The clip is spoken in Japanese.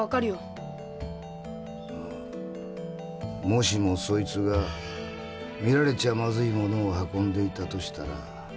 もしもそいつが見られちゃまずいものを運んでいたとしたら。